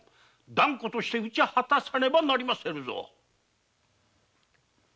断固として討ち果たせねばなりませぬぞ